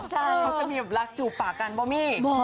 เขาจะมีแบบรักจูบปากกันบ่มี่